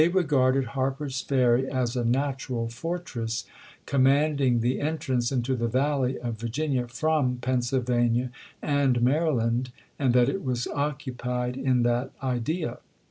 regarded Harper's Ferry as a natural fortress, com manding the entrance into the valley of Virginia from Pennsylvania and Maryland, and that it was occupied in that idea."